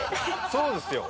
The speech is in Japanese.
そうですよ。